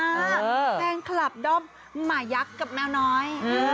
แฟนคลับด้อมหมายักษ์กับแมวน้อย